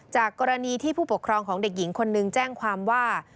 จากกรณีที่ผู้ปกครองของเด็กหญิงคนนึงแจ้งความว่า